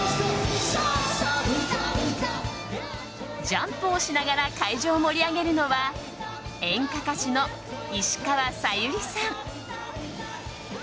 ジャンプをしながら会場を盛り上げるのは演歌歌手の石川さゆりさん。